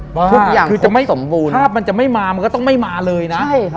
เฮ้ยทุกอย่างครบสมบูรณ์ถ้าไม่มามันก็จะไม่มาเลยนะ